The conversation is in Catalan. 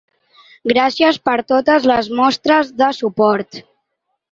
Gràcies per totes les mostres de suport.